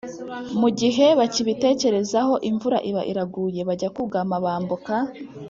Mu gihe bakibitekerezaho, imvura iba iraguye. Bajya kugama , bambuka